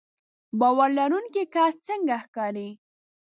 باور لرونکی کس څنګه ښکاري